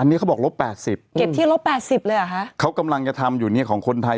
นี่เค้าเขียนมา